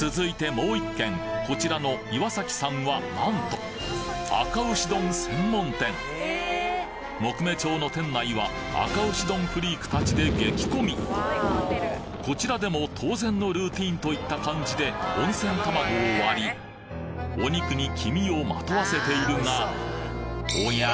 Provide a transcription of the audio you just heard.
もう１軒こちらのいわさきさんはなんとあか牛丼専門店木目調の店内はあか牛丼フリーク達でこちらでも当然のルーティンといった感じで温泉卵を割りお肉に黄身をまとわせているがおや？